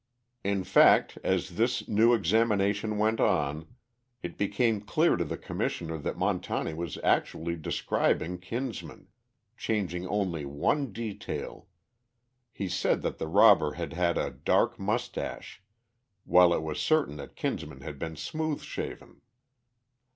In fact, as this new examination went on, it became clear to the Commissioner that Montani was actually describing Kinsman, changing only one detail. He said that the robber had had a dark mustache, while it was certain that Kinsman had been smooth shaven.